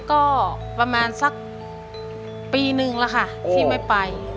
ก็ประมาณสักปีนึงแล้วค่ะที่ไม่ไป